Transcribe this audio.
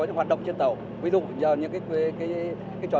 chúng không chuẩn bị gì về thuốc men hay gì cả